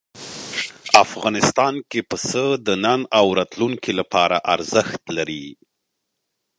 افغانستان کې پسه د نن او راتلونکي لپاره ارزښت لري.